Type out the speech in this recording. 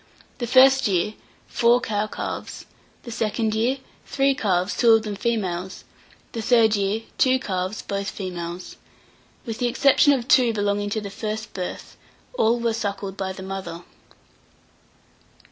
The first year, four cow calves; the second year, three calves, two of them females; the third year, two calves, both females. With the exception of two belonging to the first birth, all were suckled by the mother.